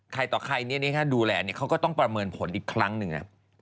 ต่อใครดูแลเขาก็ต้องประเมินผลอีกครั้งหนึ่ง